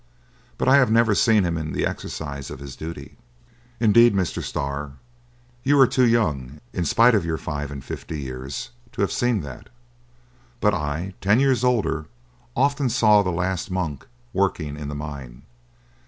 But I have never seen him in the exercise of his duty." "Indeed, Mr. Starr, you are too young, in spite of your five and fifty years, to have seen that. But I, ten years older, often saw the last 'monk' working in the mine.